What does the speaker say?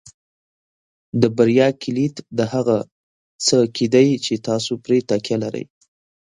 د بریا کلید د هغه څه کې دی چې تاسو پرې تکیه لرئ.